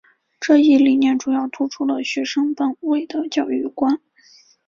这一理念主要突出了学生本位的教育观。